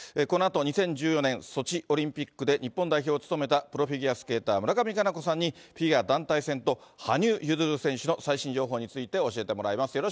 このあと、２０１４年ソチオリンピックで日本代表を務めたプロフィギュアスケーター、村上佳菜子さんに、フィギュア団体戦と、羽生結弦選手の最新情報について、教えてもらいます。